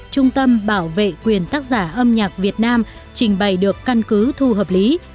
trung tâm bảo vệ quyền tác giả âm nhạc việt nam trình bày được căn cứ thu hợp lý